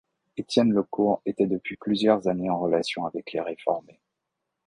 Étienne Le Court était depuis plusieurs années en relation avec les réformés.